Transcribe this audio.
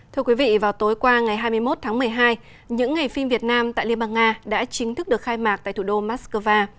thưa quý vị vào tối qua ngày hai mươi một tháng một mươi hai những ngày phim việt nam tại liên bang nga đã chính thức được khai mạc tại thủ đô moscow